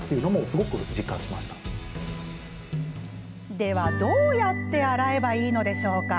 では、どうやって洗えばいいのでしょうか。